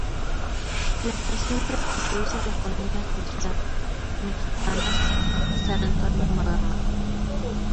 La estación presta servicio a las colonias Mexicaltzingo, San Antonio y Moderna.